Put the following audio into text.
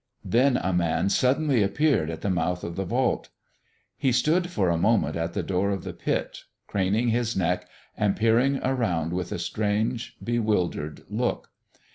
Then a man suddenly appeared at the mouth of the vault. He stood for a moment at the door of the pit, craning his neck and peering around with a strange, bewildered look.